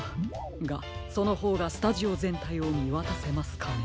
がそのほうがスタジオぜんたいをみわたせますかね。